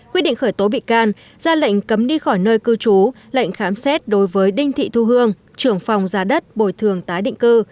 quyết định khởi tố bị can ra lệnh cấm đi khỏi nơi cư trú lệnh khám xét đối với đinh thị thu hương trưởng phòng giá đất bồi thường tái định cư